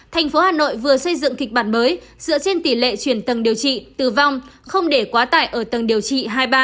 thành phố hà nội vừa xây dựng kịch bản mới dựa trên tỷ lệ chuyển tầng điều trị tử vong không để quá tải ở tầng điều trị hai ba